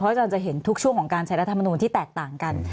อาจารย์จะเห็นทุกช่วงของการใช้รัฐมนูลที่แตกต่างกัน